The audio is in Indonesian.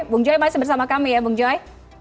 bung joy masih bersama kami ya bung joy